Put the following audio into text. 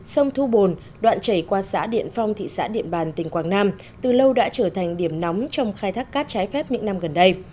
sông thu bồn đoạn chảy qua xã điện phong thị xã điện bàn tỉnh quảng nam từ lâu đã trở thành điểm nóng trong khai thác cát trái phép những năm gần đây